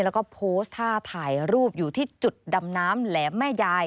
แล้วก็โพสต์ท่าถ่ายรูปอยู่ที่จุดดำน้ำแหลมแม่ยาย